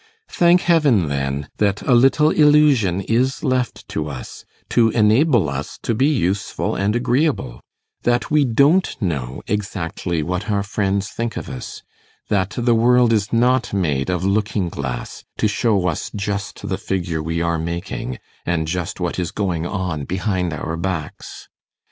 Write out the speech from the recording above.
Thank heaven, then, that a little illusion is left to us, to enable us to be useful and agreeable that we don't know exactly what our friends think of us that the world is not made of looking glass, to show us just the figure we are making, and just what is going on behind our backs!